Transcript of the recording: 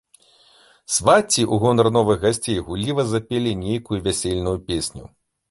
Свацці ў гонар новых гасцей гулліва запелі нейкую вясельную песню.